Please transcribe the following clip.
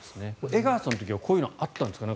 江川さんの時はこういうのはあったんですか。